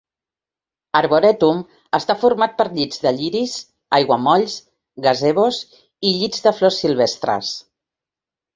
Arboretum està format per llits de lliris, aiguamolls, gazebos i llits de flors silvestres.